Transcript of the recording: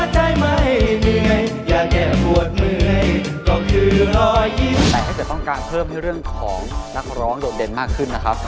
แต่ถ้าเกิดต้องการเพิ่มให้เรื่องของนักร้องโดดเด่นมากขึ้นนะครับ